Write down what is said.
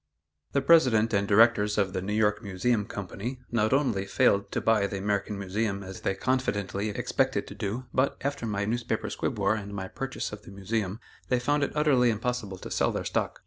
The president and directors of the "New York Museum Company" not only failed to buy the American Museum as they confidently expected to do, but, after my newspaper squib war and my purchase of the Museum, they found it utterly impossible to sell their stock.